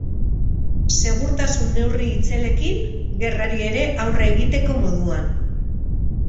Segurtasun neurri itzelekin, gerrari ere aurre egiteko moduan.